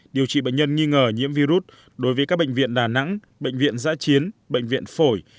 điều trị bệnh nhân nghi ngờ nhiễm virus đối với các bệnh viện đà nẵng bệnh viện giã chiến bệnh viện phổi